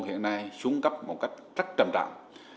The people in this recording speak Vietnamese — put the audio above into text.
hiện nay xuống cấp một cách rất trầm trạng